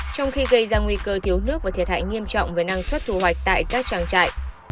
trong khi gây ra nguy cơ thiếu nước và thiệt hại nghiêm trọng với năng suất thu hoạch tại các trang trại